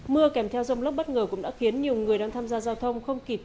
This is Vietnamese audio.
mưa kèm theo dông lốc bất ngờ cũng đã khiến nhiều người đang tham gia giao thông không kịp